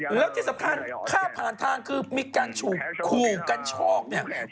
แล้วที่สำคัญค่าผ่านทางคือมีการฉุกคู่กันช็อก